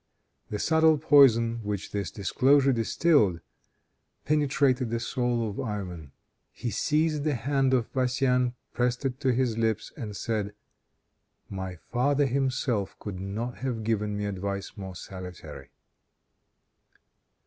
The subtle poison which this discourse distilled, penetrated the soul of Ivan. He seized the hand of Vassian, pressed it to his lips, and said, "My father himself could not have given me advice more salutary."